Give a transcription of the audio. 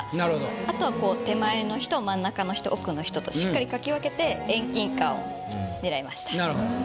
あとは手前の人真ん中の人奥の人としっかり描き分けて遠近感を狙いました。